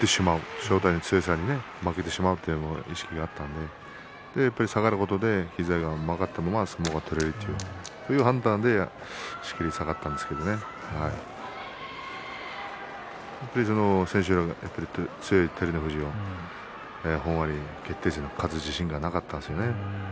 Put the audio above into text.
正代の強さに負けてしまうという意識があったので勝ったことで膝が曲がったまま相撲が取れるという判断で仕切り下がったんですけれどやっぱり千秋楽、強い照ノ富士本割決定戦で勝つ自信がなかったんですよね。